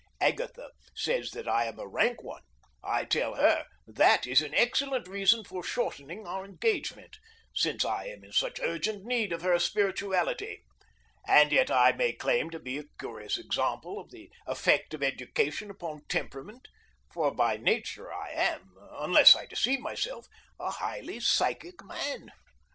Agatha says that I am a rank one. I tell her that is an excellent reason for shortening our engagement, since I am in such urgent need of her spirituality. And yet I may claim to be a curious example of the effect of education upon temperament, for by nature I am, unless I deceive myself, a highly psychic man.